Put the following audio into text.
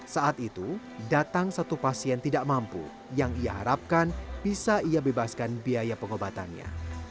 saat itu datang satu pasien tidak mampu yang ia harapkan bisa ia bebaskan biaya pengobatannya